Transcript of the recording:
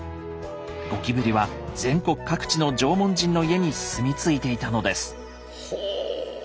ゴキブリは全国各地の縄文人の家に住み着いていたのです。